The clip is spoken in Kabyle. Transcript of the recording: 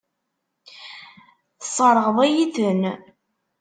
Tesseṛɣeḍ-iyi-ten.